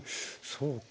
そうか。